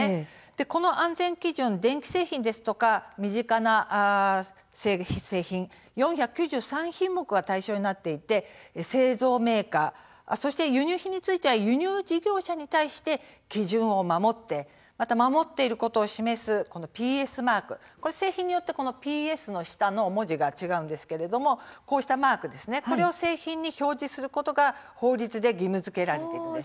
この安全基準電気製品ですとか身近な製品４９３品目が対象になっていて製造メーカー、そして輸入品については輸入事業者に対して基準を守ってまた守っていることを示すＰＳマーク、製品によってＰＳの下の文字が違うんですけれども、こうしたマークこれを製品に表示することが法律で義務づけられているんです。